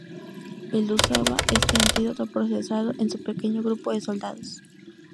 El usaba este antídoto procesado, en su pequeño grupo de soldados.